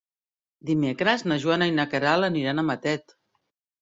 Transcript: Dimecres na Joana i na Queralt aniran a Matet.